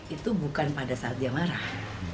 itu bukan pada saat dia marah